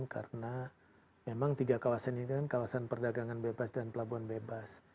karena memang tiga kawasan ini kan kawasan perdagangan bebas dan pelabuhan bebas